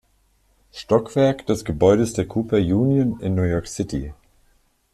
Stockwerk des Gebäudes der Cooper Union in New York City.